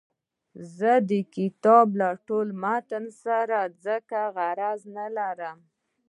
زه د کتاب له ټول متن سره ځکه غرض نه لرم.